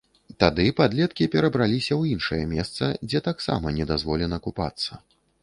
Тады падлеткі перабраліся ў іншае месца, дзе таксама не дазволена купацца.